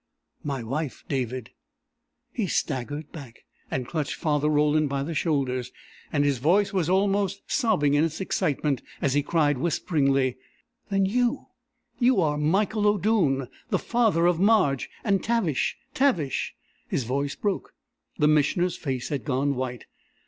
"My wife, David!" He staggered back, and clutched Father Roland by the shoulders, and his voice was almost sobbing in its excitement as he cried, whisperingly: "Then you you are Michael O'Doone the father of Marge and Tavish Tavish...." His voice broke. The Missioner's face had gone white.